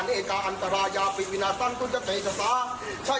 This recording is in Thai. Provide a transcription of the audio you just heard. เนกาอันตรายาภิกวินาสันตุจตะเจษฐา